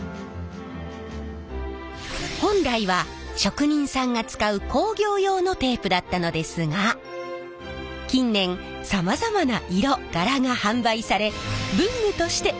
本来は職人さんが使う工業用のテープだったのですが近年さまざまな色柄が販売され文具としてかわいいと大人気！